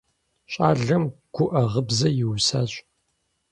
Щӏалэм гуӏэ гъыбзэ иусащ.